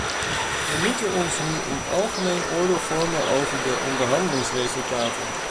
We moeten ons nu een algemeen oordeel vormen over de onderhandelingsresultaten.